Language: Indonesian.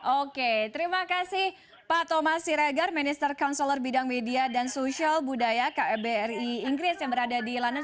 oke terima kasih pak thomas siregar minister counselor bidang media dan sosial budaya kbri inggris yang berada di london